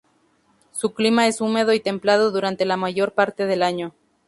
Su clima es húmedo y templado durante la mayor parte del año.